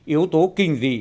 yếu tố kinh dị